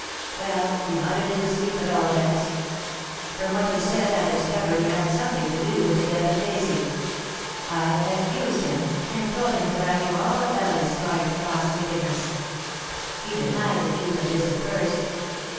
"Well, he muttered in his sleep at all events. From what he said I discovered that he had something to do with the death of Daisy. I accused him, and told him that I knew all about his Scarlet Cross wickedness. He denied the truth of this at first.